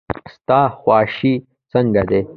ستا خواشي څنګه ده.